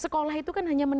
sekolah itu kan hanya